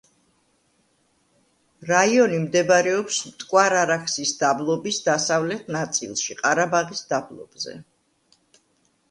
რაიონი მდებარეობს მტკვარ-არაქსის დაბლობის დასავლეთ ნაწილში, ყარაბაღის დაბლობზე.